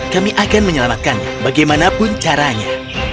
kami akan menyelamatkannya bagaimanapun caranya